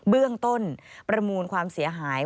เบื้องต้นประมูลความเสียหาย